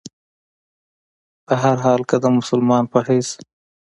بهرحال کۀ د مسلمان پۀ حېث